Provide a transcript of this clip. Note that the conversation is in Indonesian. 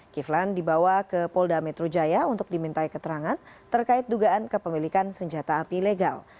kiflan dibawa ke polda metro jaya untuk dimintai keterangan terkait dugaan kepemilikan senjata api ilegal